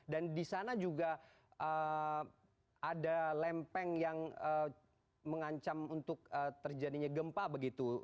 dan di sana juga ada lempeng yang mengancam untuk terjadinya gempa begitu